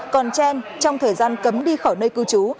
còn trên trong thời gian cấm đi khỏi nơi cư trú